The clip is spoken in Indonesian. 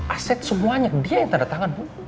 aset semuanya dia yang tanda tangan pun